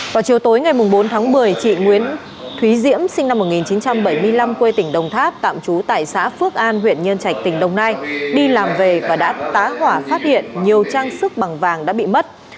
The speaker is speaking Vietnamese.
vào chiều tối ngày bốn tháng một mươi chị nguyễn thúy diễm sinh năm một nghìn chín trăm bảy mươi năm quê tỉnh đồng tháp tạm trú tại xã phước an huyện nhân trạch tỉnh đồng nai đi làm về và đã tá hỏa phát hiện nhiều trang sức bằng vàng đã bị mất